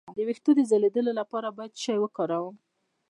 د ویښتو د ځلیدو لپاره باید څه شی وکاروم؟